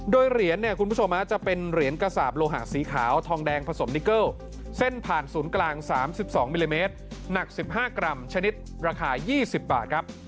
โดยเหรียญเนี่ยคุณผู้ชมจะเป็นเหรียญกระสาปโลหะสีขาวทองแดงผสมนิเกิลเส้นผ่านศูนย์กลาง๓๒มิลลิเมตรหนัก๑๕กรัมชนิดราคา๒๐บาทครับ